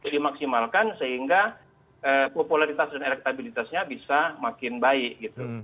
dimaksimalkan sehingga popularitas dan elektabilitasnya bisa makin baik gitu